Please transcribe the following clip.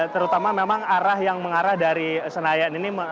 terutama memang arah yang mengarah dari senayan ini